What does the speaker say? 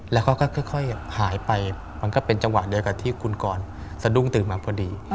แล้วเขาก็ค่อยหายไปมันก็เป็นจังหวะเดียวกับที่คุณกรสะดุ้งตื่นมาพอดี